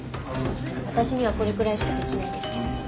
私にはこれくらいしかできないですけど。